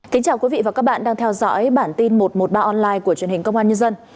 kính chào quý vị và các bạn đang theo dõi bản tin một trăm một mươi ba online của truyền hình công an nhân dân